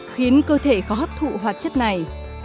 khiến cơ thể khó hấp thụ hoạt chất này